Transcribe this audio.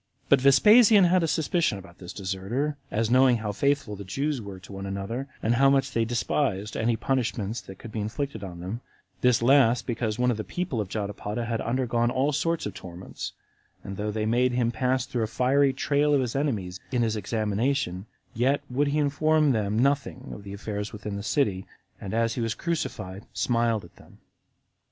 But Vespasian had a suspicion about this deserter, as knowing how faithful the Jews were to one another, and how much they despised any punishments that could be inflicted on them; this last because one of the people of Jotapata had undergone all sorts of torments, and though they made him pass through a fiery trial of his enemies in his examination, yet would he inform them nothing of the affairs within the city, and as he was crucified, smiled at them.